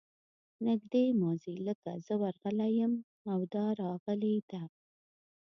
نږدې ماضي لکه زه ورغلی یم او دا راغلې ده.